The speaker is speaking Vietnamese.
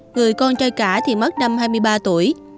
người con trai cả thì mất năm hai mươi ba tuổi